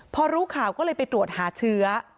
พอรู้ข่าวก็เลยไปตรวจหาเชื้อ